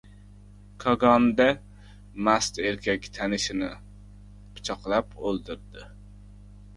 Kogonda mast erkak tanishini pichoqlab o‘ldirdi